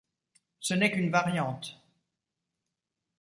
Ce n’est qu’une variante.